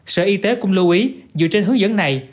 sở y tế cũng lưu ý dựa trên hướng dẫn này